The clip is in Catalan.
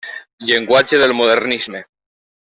Llenguatge del modernisme.